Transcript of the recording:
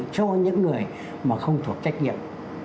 cho những người mà không thuộc trách nhiệm